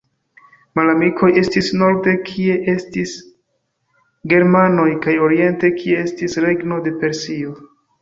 Malamikoj estis norde, kie estis germanoj kaj oriente, kie estis regno de Persio.